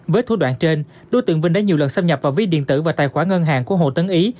với thủ đoạn trên đối tượng vinh đã nhiều lần xâm nhập vào ví điện tử và tài khoản ngân hàng của hồ tấn ý